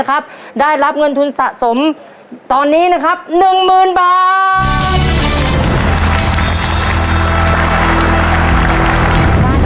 นะครับได้รับเงินทุนสะสมตอนนี้นะครับหนึ่งหมื่นบาท